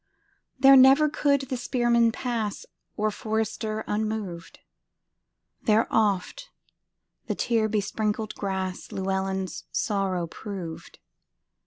There never could the spearman pass, Or forester, unmoved; There oft the tear besprinkled grassLlewelyn's sorrow proved.